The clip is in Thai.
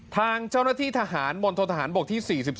ทางเจ้าหน้าที่ทหารมณฑนทหารบกที่๔๒